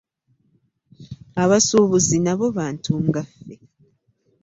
Abasuubuzi nabo bantu nga ffe.